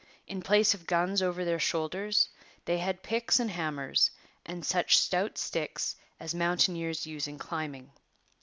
In place of guns over their shoulders, they had picks and hammers and such stout sticks as mountaineers use in climbing.